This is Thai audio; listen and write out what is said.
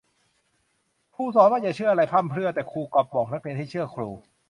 ครูสอนว่าอย่าเชื่ออะไรพร่ำเพรื่อ แต่ครูกลับบอกนักเรียนให้เชื่อครู